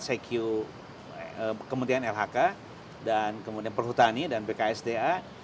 secure kemudian lhk dan kemudian perhutani dan pksda